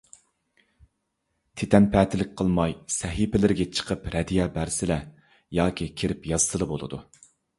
تىتەنپەتىلىك قىلماي، سەھىپىلىرىگە چىقىپ رەددىيە بەرسىلە، ياكى كىرىپ يازسىلا بولىدۇ.